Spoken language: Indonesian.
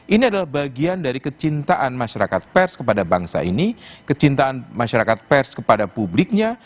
ini adalah bagian dari kecintaan masyarakat pers kepada bangsa ini kecintaan masyarakat pers kepada publiknya